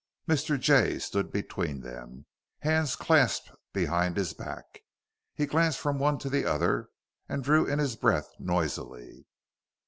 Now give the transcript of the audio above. Mr. Jay stood between them, hands clasped behind his back. He glanced from one to the other and drew in his breath noisily.